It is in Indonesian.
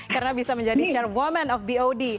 karena bisa menjadi chairwoman of bod